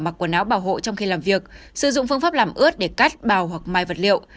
mặc quần áo bảo hộ trong khi làm việc sử dụng phương pháp làm ướt để cắt bào hoặc mai vật liệu